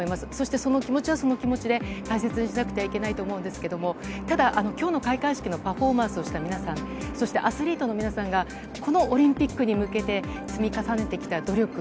その気持ちはその気持ちで大切にしなくてはいけないと思うんですが今日の開会式のパフォーマンスをした皆さんアスリートの皆さんがこのオリンピックに向けて積み重ねてきた思い、努力